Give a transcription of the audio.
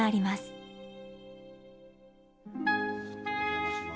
お邪魔します。